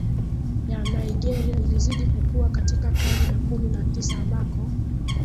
ya Nigeria ilizidi kukua katika karne ya kumi na Tisa ambako